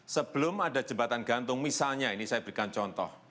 sebelum ada jembatan gantung misalnya ini saya berikan contoh